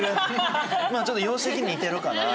ちょっと容姿的に似てるかな。